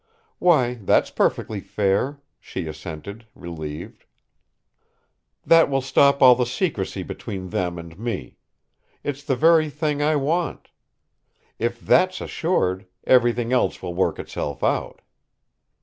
"Why, that's perfectly fair," she assented, relieved. "That will stop all the secrecy between them and me. It's the very thing I want. If that's assured, everything else will work itself out."